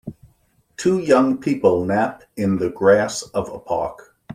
Two young people nap in the grass of a park.